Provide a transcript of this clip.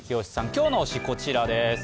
今日の推し、こちらです。